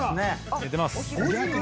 寝てます。